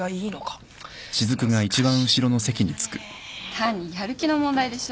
単にやる気の問題でしょ。